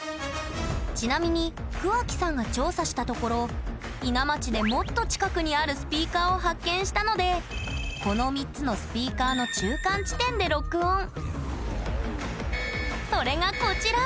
ちなみに桑木さんが調査したところ伊奈町でもっと近くにあるスピーカーを発見したのでこの３つのスピーカーの中間地点で録音それがこちら！